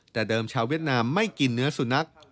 แต่เดิมชาวเวียดนามไม่กินเนื้อสุนัข